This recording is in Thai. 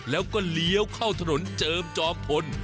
แล้วก็เลี้ยวเข้าถนนเจิมจอมพล